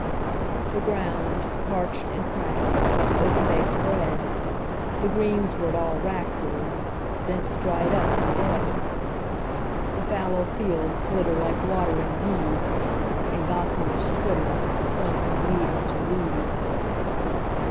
The ground parched and cracked is like overbaked bread, The greensward all wracked is, bents dried up and dead. The fallow fields glitter like water indeed, And gossamers twitter, flung from weed unto weed.